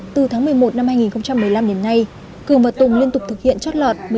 từ tháng một mươi một năm hai nghìn một mươi năm đến nay cường và tùng liên tục thực hiện chót lọt